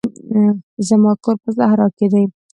زما کور په صحرا کښي دی.